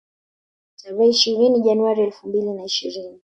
Tarehe ishirini Januari elfu mbili na ishirini